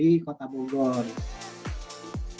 untuk kota bogor batas dari satu ratus lima puluh ini selalu terlampaui